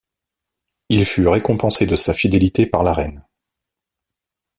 Il fut récompensé de sa fidélité par la reine.